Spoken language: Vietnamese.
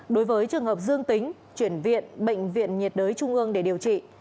đối với trường hợp dương tính chuyển viện bệnh viện nhiệt đới trung ương để điều trị